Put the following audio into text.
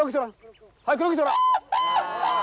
はいクロックしてごらん！